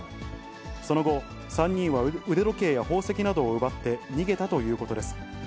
その後、３人は腕時計や宝石などを奪って逃げたということです。